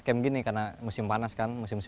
summer camp gini karena musim panas kan musim semi gitu